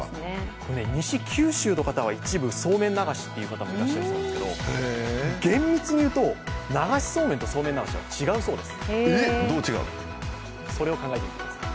西、九州の方は一部の方はそうめん流しという人もいるそうですけど厳密に言うと、流しそうめんとそうめん流しは、違うそうです。